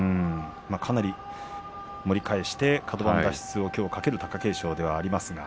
かなり盛り返してカド番脱出をきょう懸ける貴景勝ではあります。